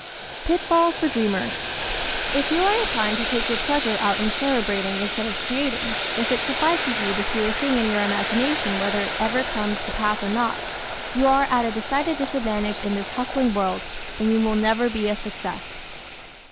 Pitfalls for Dreamers ¶ If you are inclined to take your pleasure out in cerebrating instead of creating; if it suffices you to see a thing in your imagination whether it ever comes to pass or not, you are at a decided disadvantage in this hustling world; and you will never be a success.